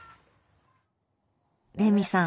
レミさん